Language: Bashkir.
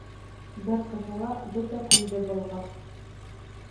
Бер ҡыҫала бөтә күлде болғар.